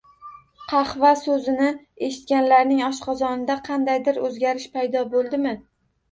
Qahva so`zini eshitganlarning oshqozonida qandaydir o`zgarish paydo bo`ldimi